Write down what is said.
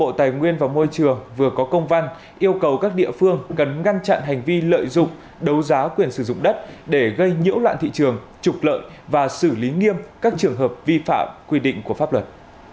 bộ tài nguyên và môi trường vừa có công văn yêu cầu các địa phương cần ngăn chặn hành vi lợi dụng đấu giá quyền sử dụng đất để gây nhiễu loạn thị trường trục lợi và xử lý nghiêm các trường hợp vi phạm quy định của pháp luật